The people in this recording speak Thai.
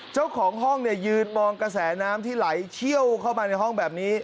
เจ้าของห้องเนี่ยยืนมองกระแสน้ำที่ไหลเชี่ยวเข้ามาในห้องแบบนี้